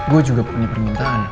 gue juga punya permintaan